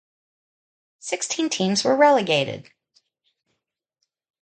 Sixteen teams were relegated.